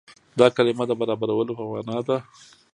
دا کلمه د برابرولو په معنا ده.